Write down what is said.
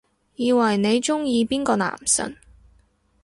以為你鍾意邊個男神